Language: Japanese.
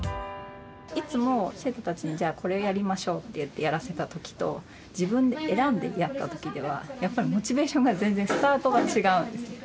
いつも生徒たちにじゃあこれやりましょうって言ってやらせた時と自分で選んでやった時ではやっぱりモチベーションが全然スタートが違うんですね。